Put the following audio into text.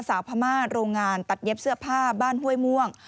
พม่าโรงงานตัดเย็บเสื้อผ้าบ้านห้วยม่วง